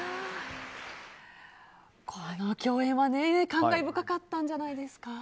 この共演は感慨深かったんじゃないですか。